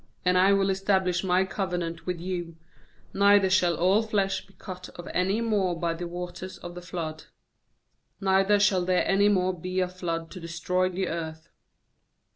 uAnd I will estab lish My covenant with you; neither shall all flesh be cut off any more by the waters of the flood; neither shall there any more be a flood to destroy the earth.'